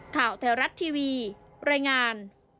ข่าวแทรวรัตน์ทีวีรายงาน